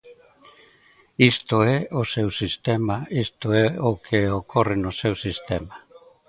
Isto é o seu sistema, isto é o que ocorre no seu sistema.